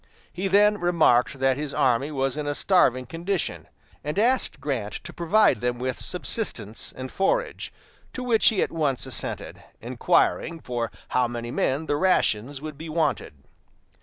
He then remarked that his army was in a starving condition, and asked Grant to provide them with subsistence and forage; to which he at once assented, inquiring for how many men the rations would be wanted.